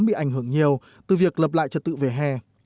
bị ảnh hưởng nhiều từ việc lập lại trật tự về hè